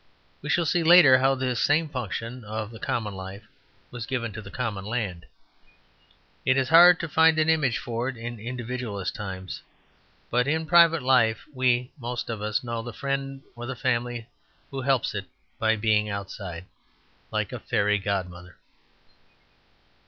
We shall see later how this same function of the common life was given to the common land. It is hard to find an image for it in individualist times; but in private life we most of us know the friend of the family who helps it by being outside, like a fairy godmother.